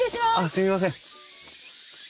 すいません。